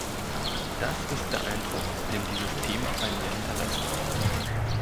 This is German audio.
Das ist der Eindruck, den dieses Thema bei mir hinterlässt.